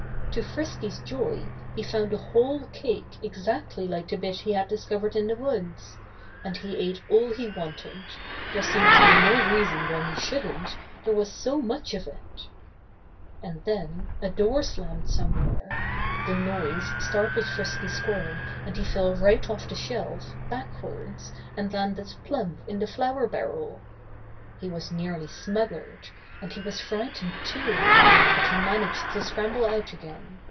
To Frisky's joy, he found a whole cake exactly like the bit he had discovered in the woods. And he ate all he wanted; there seemed to be no reason why he shouldn't, there was so much of it. And then a door slammed somewhere. The noise startled Frisky Squirrel and he fell right off the shelf, backwards, and landed plump in the flour barrel. He was nearly smothered. And he was frightened, too. But he managed to scramble out again.